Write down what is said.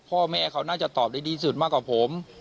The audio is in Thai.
พ่อแม่เขาน่าจะตอบได้ดีสุดมากกว่าผม